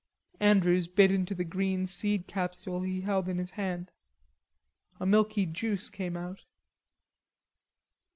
Andrews bit into the green seed capsule he held in his hand. A milky juice came out.